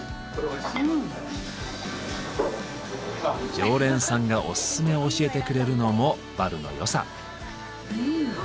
常連さんがオススメを教えてくれるのもバルの良さ。